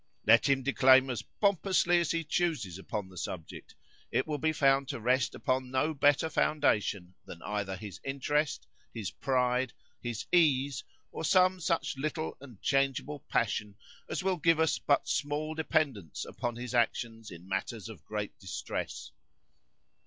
"Let him declaim as pompously as he chooses upon the subject, it will be found to rest upon no better foundation than either his interest, his pride, his ease, or some such little and changeable passion as will give us but small dependence upon his actions in matters of great distress.